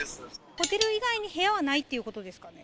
ホテル以外に部屋はないっていうことですかね？